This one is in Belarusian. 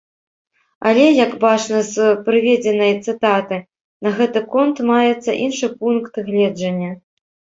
Але, як бачна з прыведзенай цытаты, на гэты конт маецца іншы пункт гледжання.